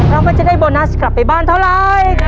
เราก็จะให้โบนัสกลับไปบ้านเท่าไหร่